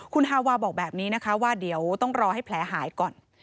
คุณฮาวาบอกแบบนี้นะคะว่าเดี๋ยวต้องรอให้แผลหายก่อน